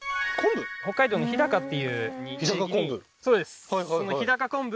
北海道の日高っていう日高昆布？